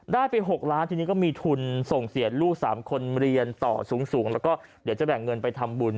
ได้ไป๖ล้านทีนี้ก็มีทุนส่งเสียลูก๓คนเรียนต่อสูงแล้วก็เดี๋ยวจะแบ่งเงินไปทำบุญ